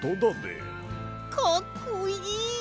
かっこいい！